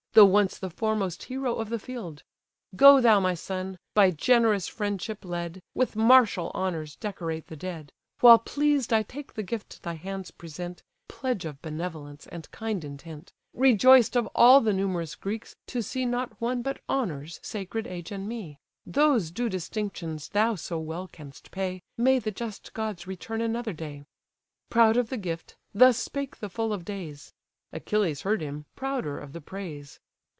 Though once the foremost hero of the field. Go thou, my son! by generous friendship led, With martial honours decorate the dead: While pleased I take the gift thy hands present, (Pledge of benevolence, and kind intent,) Rejoiced, of all the numerous Greeks, to see Not one but honours sacred age and me: Those due distinctions thou so well canst pay, May the just gods return another day!" Proud of the gift, thus spake the full of days: Achilles heard him, prouder of the praise.